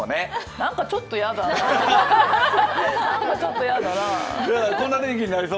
なんか、ちょっと嫌だな。